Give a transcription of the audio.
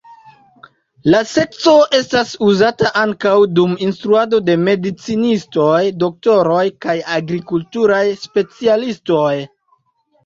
La sekco estas uzata ankaŭ dum instruado de medicinistoj, doktoroj kaj agrikulturaj specialistoj.